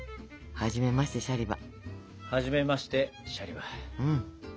はじめましてシャリバ。